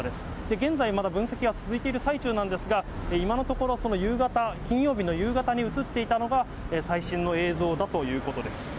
現在、まだ分析は続いている最中なんですが、今のところ、夕方、金曜日の夕方に写っていたのが、最新の映像だということです。